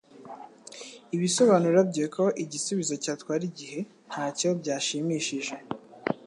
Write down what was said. Ibisobanuro bye ko igisubizo cyatwara igihe ntacyo byashimishije.